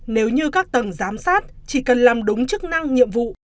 nếu như các tầng giám sát chỉ cần làm đúng chức năng nhiệm vụ